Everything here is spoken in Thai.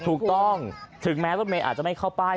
ถูกต้องถึงแม้รถเมย์อาจจะไม่เข้าป้าย